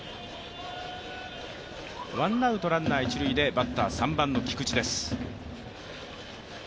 ワンアウトランナーは一塁で、バッターは３番の菊池です。